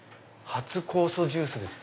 初酵素ジュースです。